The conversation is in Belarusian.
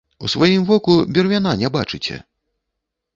У сваім воку бервяна не бачыце!